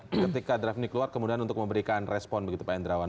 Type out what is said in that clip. ketika draft ini keluar kemudian untuk memberikan respon begitu pak endrawan